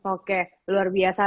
oke luar biasa